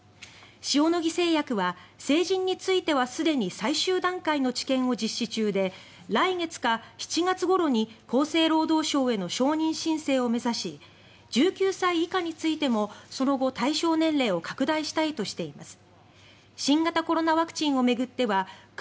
塩野義製薬は成人についてはすでに最終段階の治験を実施中で来月か、７月ごろに厚生労働省への承認申請を目指し１９歳以下についてもその後、対象年齢を拡大したいとしています。